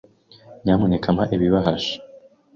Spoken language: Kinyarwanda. Nyamuneka mpa ibahasha.